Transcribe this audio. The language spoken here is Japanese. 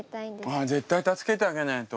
あ絶対助けてあげないと。